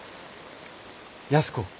安子。